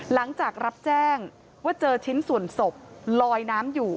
หลังจากรับแจ้งว่าเจอชิ้นส่วนศพลอยน้ำอยู่